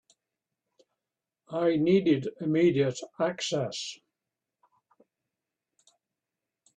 I needed immediate access.